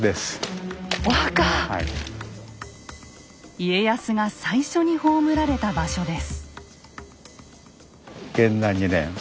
家康が最初に葬られた場所です。